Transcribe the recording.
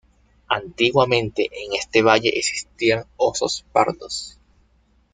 Antiguamente en este valle existían osos pardos.